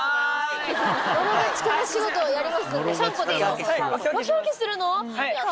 野呂が力仕事やりますんで。